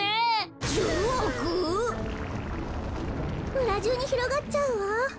むらじゅうにひろがっちゃうわ。